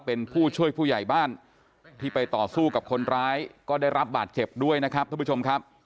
เป็นผู้ช่วยผู้ใหญ่บ้านที่ไปต่อสู้กับคนร้ายก็ได้รับบาดเจ็บด้วยนะครับท่านผู้ชมครับ